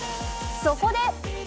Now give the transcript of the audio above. そこで。